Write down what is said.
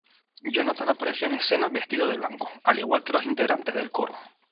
Jonatan apareció en escena vestido de blanco, al igual que los integrantes del coro.